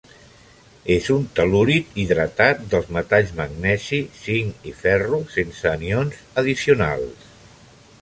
És un tel·lurit hidratat dels metalls magnesi, zinc i ferro, sense anions addicionals.